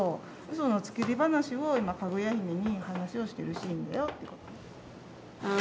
その作り話を今かぐや姫に話をしてるシーンだよってことね。